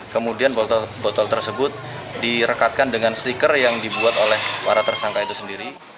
kemudian botol botol tersebut direkatkan dengan stiker yang dibuat oleh para tersangka itu sendiri